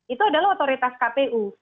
itu adalah otoritas kpu